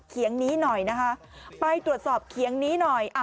เคียงนี้หน่อยนะคะ